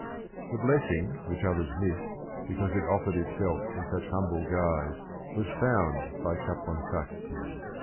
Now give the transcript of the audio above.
The blessing which others missed because it offered itself in such humble guise was found by Capon sacchi.